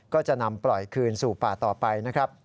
ก็จะนำปล่อยคืนสู่ป่าต่อไป